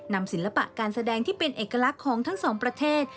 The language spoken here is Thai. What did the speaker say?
ศิลปะการแสดงที่เป็นเอกลักษณ์ของทั้งสองประเทศ